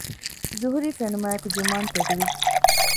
ޒުހުރީ ފެނުމާއެކު ޖުމާން ތެދުވި